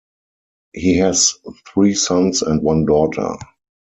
He has three sons and one daughter.